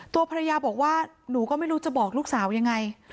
ตัวภรรยาบอกว่าหนูก็ไม่รู้จะบอกลูกสาวยังไง